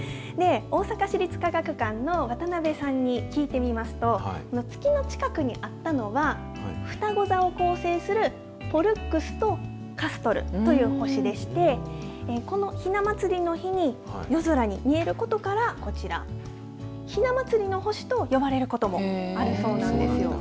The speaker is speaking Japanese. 大阪市立科学館の渡部さんに聞いてみますと、月の近くにあったのは、ふたご座を構成するポルックスとカストルという星でして、このひな祭りの日に夜空に見えることから、こちら、ひな祭りの星と呼ばれることもあるそうなんですよ。